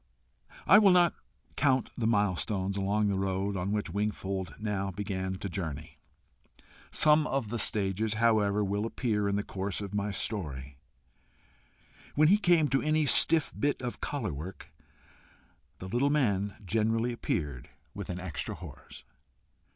I will not count the milestones along the road on which Wingfold now began to journey. Some of the stages, however, will appear in the course of my story. When he came to any stiff bit of collar work, the little man generally appeared with an extra horse.